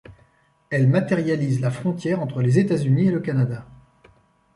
Elles matérialisent la frontière entre les États-Unis et le Canada.